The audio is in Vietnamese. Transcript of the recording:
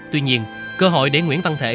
tuy nhiên cơ hội để nguyễn văn thế